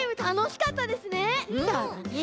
そうだね。